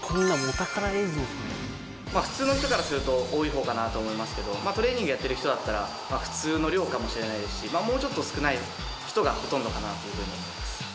普通の人からすると多いほうかなと思いますけどトレーニングやってる人だったら普通の量かもしれないですしもうちょっと少ない人がほとんどかなというふうに思います